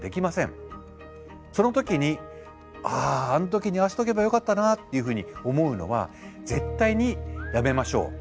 その時に「あああの時にああしておけばよかったな」っていうふうに思うのは絶対にやめましょう。